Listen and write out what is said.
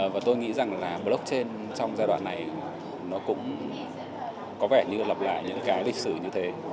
và tôi nghĩ rằng là blockchain trong giai đoạn này nó cũng có vẻ như lập lại những cái lịch sử như thế